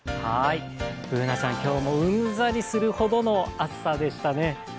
Ｂｏｏｎａちゃん、今日もうんざりするほどの暑さでしたね。